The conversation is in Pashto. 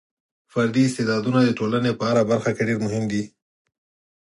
فردي استعدادونه د ټولنې په هره برخه کې ډېر مهم دي.